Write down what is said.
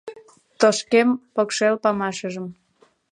Тошкем покшел памашыжым